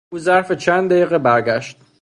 او ظرف چند دقیقه برگشت.